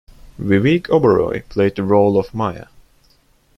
Vivek Oberoi played the role of Maya.